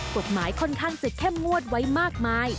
ค่อนข้างจะเข้มงวดไว้มากมาย